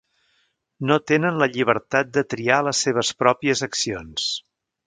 No tenen la llibertat de triar les seves pròpies accions.